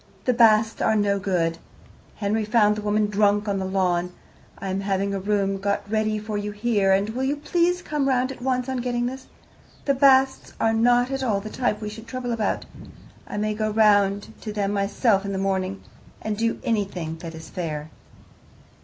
The Basts are no good. Henry found the woman drunk on the lawn. I am having a room got ready for you here, and will you please come round at once on getting this? The Basts are not at all the type we should trouble about. I may go round to them myself in the morning, and do anything that is fair.